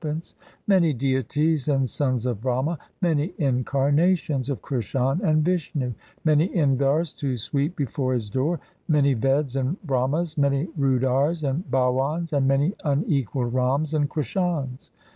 268 THE SIKH RELIGION Many deities and sons of Brahma, Many incarnations of Krishan and Vishnu, Many Indars to sweep before His door, Many Veds and Brahmas, Many Rudars 1 and Bawans, And many unequalled Rams and Krishans.